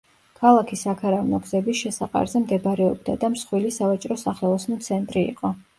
ქალაქი საქარავნო გზების შესაყარზე მდებარეობდა და მსხვილი სავაჭრო-სახელოსნო ცენტრი იყო.